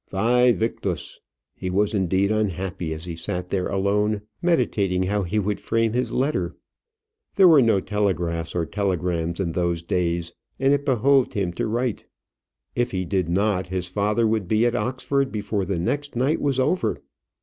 Væ victis! He was indeed unhappy as he sat there alone, meditating how he would frame his letter. There were no telegraphs or telegrams in those days, and it behoved him to write. If he did not, his father would be at Oxford before the next night was over.